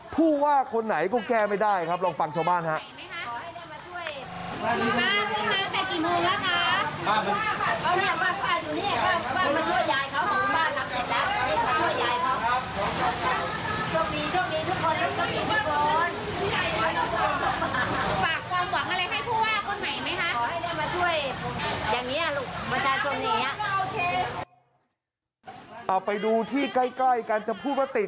ผู้ว่าคนไหนก็แก้ไม่ได้ครับลองฟังชาวบ้านครับ